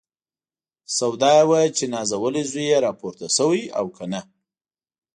سودا یې وه چې نازولی زوی یې راپورته شوی او که نه.